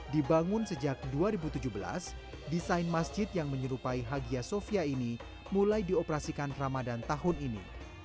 dibangun sejak dua ribu tujuh belas desain masjid yang menyerupai hagia sofia ini mulai dioperasikan ramadan tahun ini